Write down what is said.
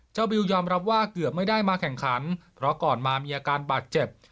บิวยอมรับว่าเกือบไม่ได้มาแข่งขันเพราะก่อนมามีอาการบาดเจ็บ